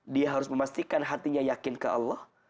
dia harus memastikan hatinya yakin ke allah